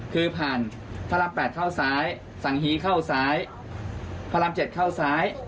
คือผ่านพระราม๘เข้าซ้ายสังฮีเข้าซ้ายพระราม๗เข้าซ้าย